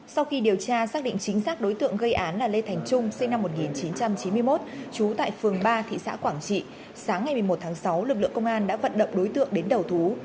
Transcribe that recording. sau khi điều tra xác định chính xác đối tượng gây án là lê thành trung sinh năm một nghìn chín trăm chín mươi một trú tại phường ba thị xã quảng trị sáng ngày một mươi một tháng sáu lực lượng công an đã vận động đối tượng đến đầu thú